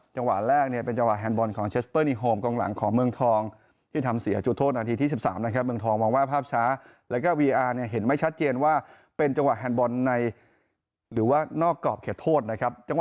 จังหวะแรกเป็นจังหวะแฮนด์บอลของเชสเฟอร์นี่โฮมกลางหลังของเมืองทอง